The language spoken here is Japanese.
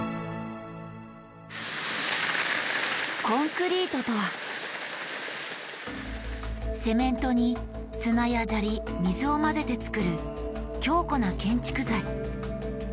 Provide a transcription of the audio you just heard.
「コンクリート」とはセメントに砂や砂利水を混ぜて作る強固な建築材。